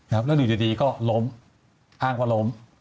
แล้วอยู่ดีก็ล้มอ้างว่าล้ม